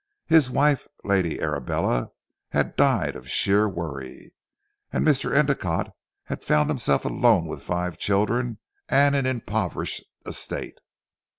His wife Lady Arabella had died of sheer worry, and Mr. Endicotte had found himself alone with five children and an impoverished estate.